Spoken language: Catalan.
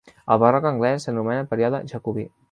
El barroc anglès s'anomena període jacobí.